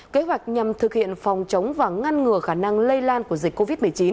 kế hoạch nhằm thực hiện phòng chống và ngăn ngừa khả năng lây lan của dịch covid một mươi chín